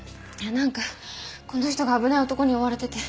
何かこの人が危ない男に追われてて。